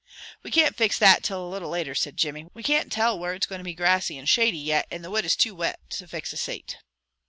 "We can't fix that till a little later," said Jimmy. "We can't tell where it's going to be grassy and shady yet, and the wood is too wet to fix a sate."